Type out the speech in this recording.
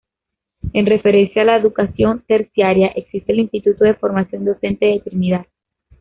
En referencia a la educación terciaria, existe el Instituto de Formación Docente de Trinidad.